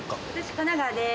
神奈川です。